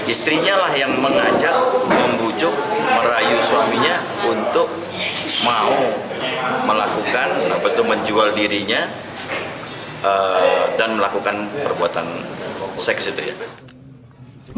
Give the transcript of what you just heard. istrinya lah yang mengajak membujuk merayu suaminya untuk mau melakukan betul menjual dirinya dan melakukan perbuatan seks itu ya